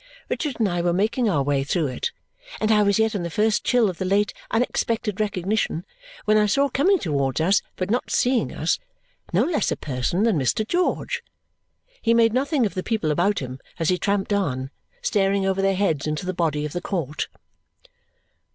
Richard and I were making our way through it, and I was yet in the first chill of the late unexpected recognition when I saw, coming towards us, but not seeing us, no less a person than Mr. George. He made nothing of the people about him as he tramped on, staring over their heads into the body of the court.